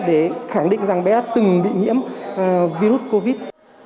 để khẳng định rằng bé đã từng bị nhiễm virus covid một mươi chín